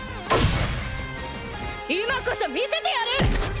今こそ見せてやる！